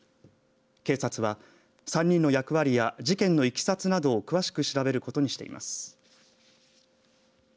警察は３人の役割や事件のいきさつなどを詳しく調べることにしています。